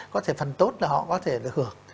có thể phần tốt là họ có thể được hưởng